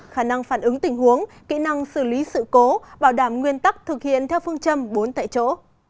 khả năng phản ứng tình huống kỹ năng xử lý sự cố bảo đảm nguyên tắc thực hiện theo phương châm bốn tại chỗ